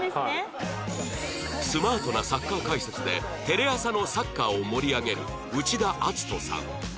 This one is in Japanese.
スマートなサッカー解説でテレ朝のサッカーを盛り上げる内田篤人さん